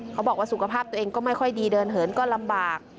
สุขภาพตัวเองก็ไม่ค่อยดีเดินเหินก็ลำบาก